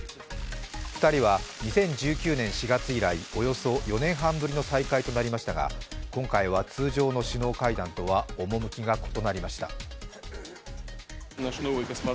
２人は２０１９年４月以来およそ４年半ぶりの再会となりましたが今回は通常の首脳会談とは趣が異なりました。